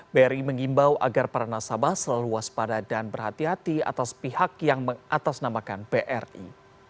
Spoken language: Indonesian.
bri mengimbau agar para nasabah selalu waspada dan berhati hati atas pihak yang mengatasnamakan bri